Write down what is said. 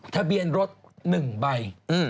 ทะเบียนรถ๑ใบ